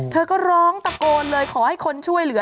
เธอก็ร้องตะโกนเลยขอให้คนช่วยเหลือ